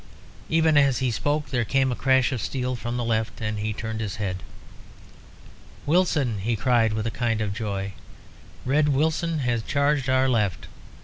Even as he spoke there came a crash of steel from the left, and he turned his head. "Wilson!" he cried, with a kind of joy. "Red Wilson has charged our left.